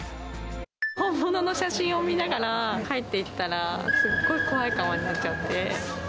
本物の写真を見ながら描いていったら、すっごい怖い顔になっちゃって。